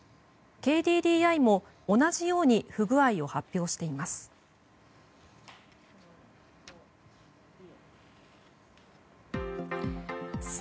ＫＤＤＩも、同じように不具合を発表しています。